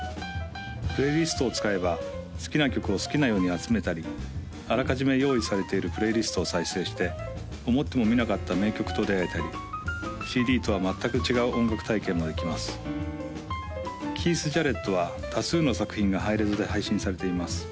プレイリストを使えば好きな曲を好きなように集めたりあらかじめ用意されているプレイリストを再生して思ってもみなかった名曲と出会えたりＣＤとは全く違う音楽体験もできますキース・ジャレットは多数の作品がハイレゾで配信されています